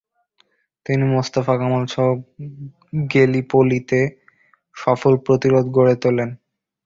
তিনি মোস্তফা কামালসহ গেলিপলিতে সফল প্রতিরোধ গড়ে তোলেন।